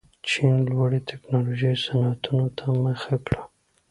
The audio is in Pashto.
چین لوړې تکنالوژۍ صنعتونو ته مخه کړه.